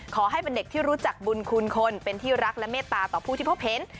ขอให้เป็นเด็กที่รู้จักบุญคุณคนเป็นที่รักและเมตตาต่อผู้ที่พบเห็น